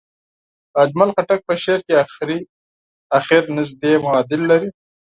د اجمل خټک په شعر کې اخر نژدې معادل لري.